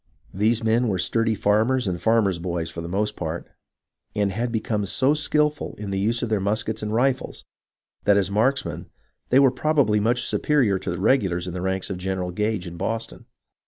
These men were sturdy farmers and farmers' boys for the most part, and had become so skilful in the use of their muskets and rifles, that as marksmen they were probably much superior to the regulars in the ranks of Gen eral Gage in Boston.